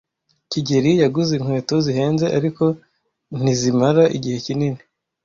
kigeli yaguze inkweto zihenze, ariko ntizimara igihe kinini.